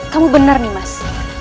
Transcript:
kamu benar nimas